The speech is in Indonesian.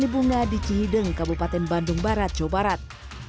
di bunga di cihideng kabupaten bandung barat jawa barat